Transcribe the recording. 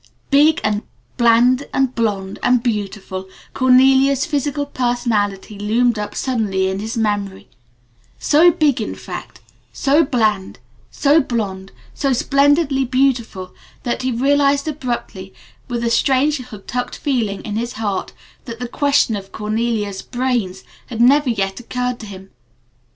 Big and bland and blond and beautiful, Cornelia's physical personality loomed up suddenly in his memory so big, in fact, so bland, so blond, so splendidly beautiful, that he realized abruptly with a strange little tucked feeling in his heart that the question of Cornelia's "brains" had never yet occurred to him.